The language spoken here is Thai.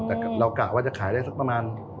แต่เรากะว่าจะขายได้สักประมาณ